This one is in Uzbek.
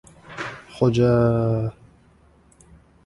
— Xo‘ja-a-a!